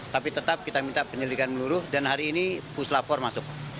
tapi tetap kita minta penyelidikan meluruh dan hari ini puslap empat masuk